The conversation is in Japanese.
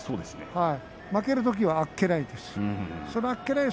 負けるときはあっけないですけれど。